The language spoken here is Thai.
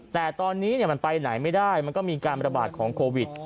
แต่ตอนนี้มันไปไหนไม่ได้มันก็มีการระบาดของโควิด